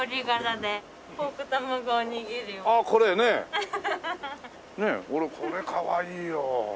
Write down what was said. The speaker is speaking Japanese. これかわいいよ。